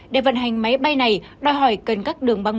để vận hành máy bay này đòi hỏi cần các đường băng